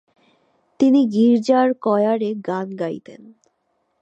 তিনি গির্জার কয়ারে গান গাইতেন।